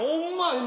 今。